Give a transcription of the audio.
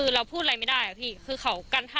ก็กลายเป็นว่าติดต่อพี่น้องคู่นี้ไม่ได้เลยค่ะ